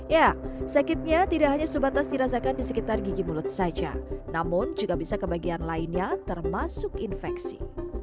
ya sakitnya tidak hanya sebatas dirasakan di sekitar gigi mulut saja namun juga bisa ke bagian lainnya termasuk infeksi